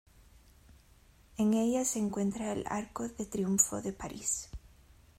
En ella se encuentra el Arco de Triunfo de París.